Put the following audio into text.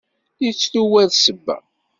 Yettru war ssebba.